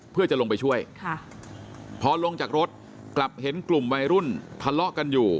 พอลงจากรถกลับเห็นกลุ่มวัยรุ่นทะเลาะกันอยู่